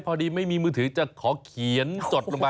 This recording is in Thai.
พอดีไม่มีมือถือจะขอเขียนจดลงไป